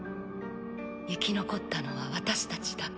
生き残ったのは私たちだけ。